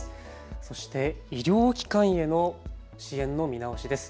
そして医療機関への支援の見直しです。